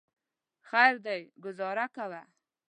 خیر دی ګوزاره کوه.